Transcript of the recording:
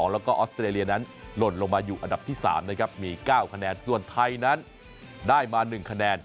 แล้วก็ออสเตรเลียนั้นหล่นลงมาอยู่อันดับที่๓นะครับมี๙คะแนนส่วนไทยนั้นได้มา๑คะแนน